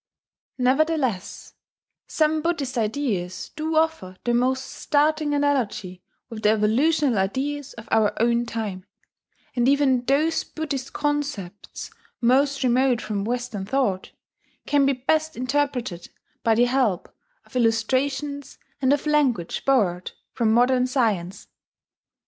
Nevertheless, some Buddhist ideas do offer the most startling analogy with the evolutional ideas of our own time; and even those Buddhist concepts most remote from Western thought can be best interpreted by the help of illustrations and of language borrowed from modern science.